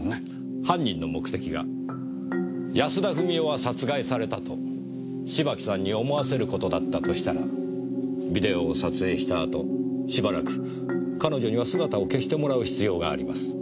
犯人の目的が安田富美代は殺害されたと芝木さんに思わせる事だったとしたらビデオを撮影した後しばらく彼女には姿を消してもらう必要があります。